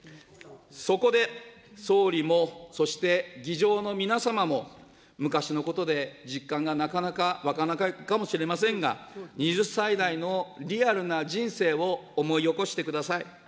そこで総理も、そして、議場の皆様も、昔のことで実感がなかなか湧かないかもしれませんが、２０歳代のリアルな人生を思い起こしてください。